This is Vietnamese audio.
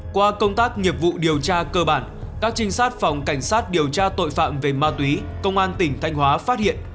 qua công tác nghiệp vụ điều tra cơ bản các trinh sát phòng cảnh sát điều tra tội phạm về ma túy công an tỉnh thanh hóa phát hiện